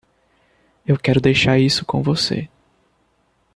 Eu quero deixar isso com você.